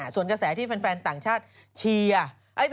ส่วนกระแสที่แฟนต่างชาติเชียร์